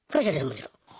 もちろん。